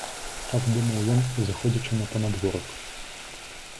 Так думаў ён, узыходзячы на панадворак.